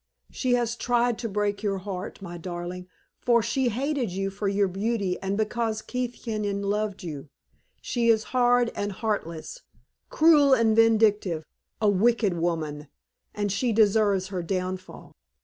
She has tried to break your heart, my darling; for she hated you for your beauty, and because Keith Kenyon loved you. She is hard and heartless, cruel and vindictive a wicked woman and she deserves her downfall.